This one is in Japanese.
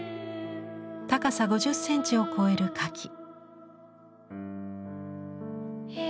高さ５０センチを超える花器。